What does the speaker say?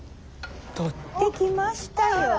取ってきましたよ。